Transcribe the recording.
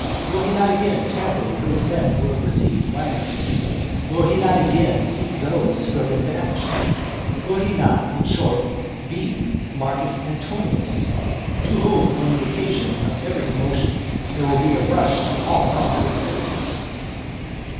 will he not again tamper with those men who have received lands? will he not again seek those who have been banished? will he not, in short, be Marcus Antonius; to whom, on the occasion of every commotion, there will be a rush of all profligate citizens?